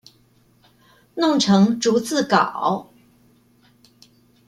弄成逐字稿